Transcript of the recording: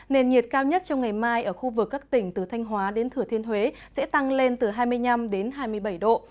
nền nhiệt cao nhất trong ngày mai ở khu vực các tỉnh từ thanh hóa đến thừa thiên huế sẽ tăng lên từ hai mươi năm hai mươi bảy độ